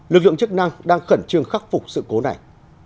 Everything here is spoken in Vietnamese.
lực lượng chức năng đang khẩn trương khắc phục sự cố này